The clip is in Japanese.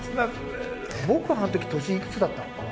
僕あの時年いくつだったのかな？